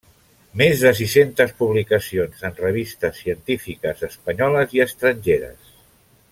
Més de sis-centes publicacions en revistes científiques, espanyoles i estrangeres.